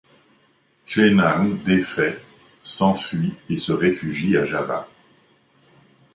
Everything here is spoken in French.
Chế Năng défait s'enfuit et se réfugie à Java.